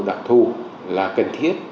đặc thù là cần thiết